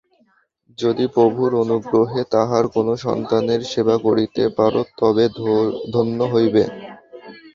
যদি প্রভুর অনুগ্রহে তাঁহার কোন সন্তানের সেবা করিতে পার, তবে ধন্য হইবে।